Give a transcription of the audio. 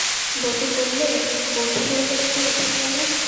বটু বললে, বসে রইলেন যে অতীনবাবু?